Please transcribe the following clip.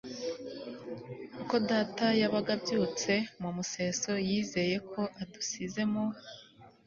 uko data yabaga abyutse mu museso yizeye ko adusize mu